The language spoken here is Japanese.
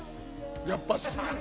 やっぱし。